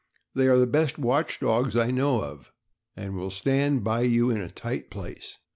They are the best watch dogs I know of, and will stand by you in a tight place.